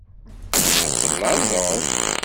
Ad tellaẓeḍ.